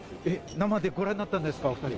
生でご覧になったんですか、お２人。